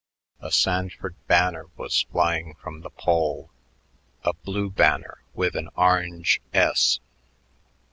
A Sanford banner was flying from the pole, a blue banner with an orange S.